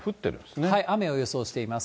雨を予想しています。